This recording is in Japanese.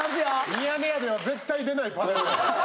『ミヤネ屋』では絶対出ないパネルや。